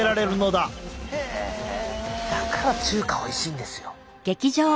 だから中華おいしいんですよ。